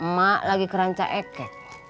mak lagi keranca eke